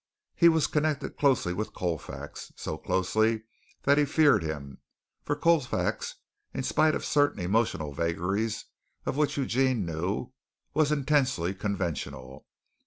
He was connected closely with Colfax, so closely that he feared him, for Colfax, in spite of certain emotional vagaries of which Eugene knew, was intensely conventional.